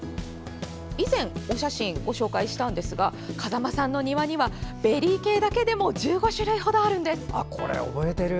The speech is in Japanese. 以前、お写真ご紹介したんですが風間さんの庭にはベリー系だけでも１５種類ほどあるんです。